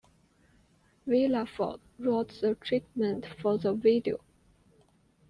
Willa Ford wrote the treatment for the video.